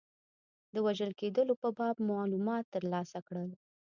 د وژل کېدلو په باب معلومات ترلاسه کړل.